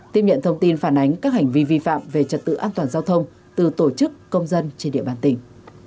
tiếp nhận thông tin phản ánh các hành vi vi phạm về trật tự an toàn giao thông từ tổ chức công dân trên địa bàn tỉnh